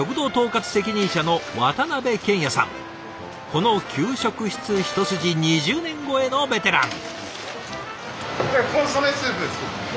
この給食室一筋２０年超えのベテラン。